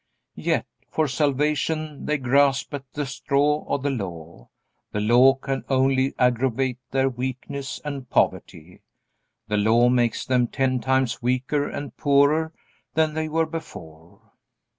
Yet for salvation they grasp at the straw of the Law. The Law can only aggravate their weakness and poverty. The Law makes them ten times weaker and poorer than they were before.